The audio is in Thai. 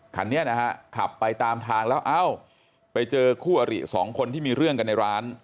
คันนี้นะฮะขับไปตามทางแล้วเอ้าไปเจอคู่อริสองคนที่มีเรื่องกันในร้าน